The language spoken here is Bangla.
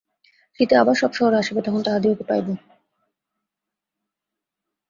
শীতে আবার সব শহরে আসিবে, তখন তাহাদিগকে পাইব।